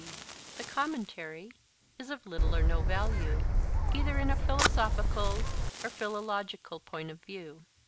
D.). The commentary is of little or no value, either in a philosophical or philological point of view.